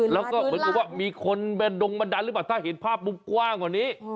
แล้วก็เหมือนกับว่ามีคนดงบันดาลหรือเปล่าถ้าเห็นภาพมุมกว้างกว่านี้